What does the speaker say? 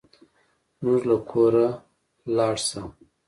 زموږ له کوره لاړ شه.